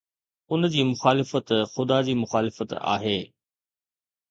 ان جي مخالفت خدا جي مخالفت آهي.